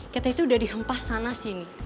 kita itu udah dihempah sana sini